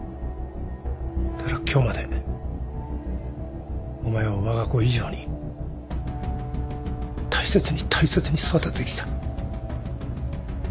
だから今日までお前をわが子以上に大切に大切に育ててきた。